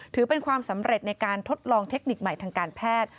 ถือเป็นความสำเร็จในการทดลองเทคนิคใหม่ทางการแพทย์